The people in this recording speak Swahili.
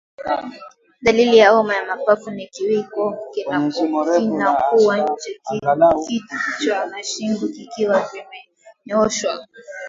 Dalili ya homa ya mapafu ni kiwiko kinakuwa nje kichwa na shingo vikiwa vimenyooshwa